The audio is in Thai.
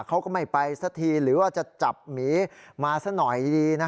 เขาก็ไม่ไปสักทีหรือว่าจะจับหมีมาสักหน่อยดี